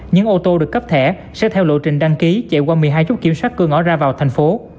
những ô tô được cấp thẻ sẽ theo lộ trình đăng ký chạy qua một mươi hai chút kiểm soát cửa ngõ ra vào thành phố